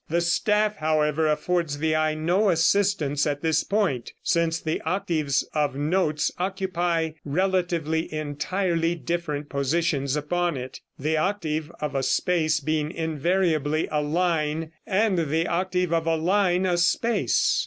The staff, however, affords the eye no assistance at this point, since the octaves of notes occupy relatively entirely different positions upon it, the octave of a space being invariably a line, and the octave of a line a space.